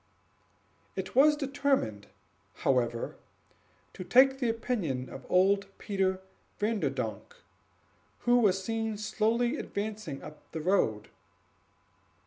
It was determined, however, to take the opinion of old Peter Vanderdonk, who was seen slowly advancing up the road.